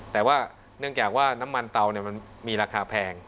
แต่ว่าเนื่องจากว่าน้ำมันเตามันมีราคาแพง